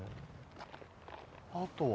あとは？